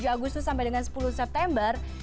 dua puluh tujuh agustus sampai dengan sepuluh september